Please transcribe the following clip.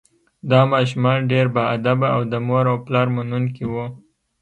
دا ماشومان ډیر باادبه او د مور او پلار منونکي وو